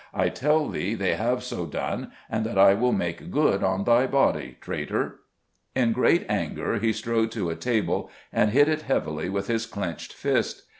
I tell thee they have so done, and that I will make good on thy body, traitor." In great anger he strode to a table and hit it heavily with his clenched fist.